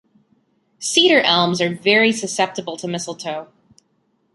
Cedar elms are very susceptible to mistletoe.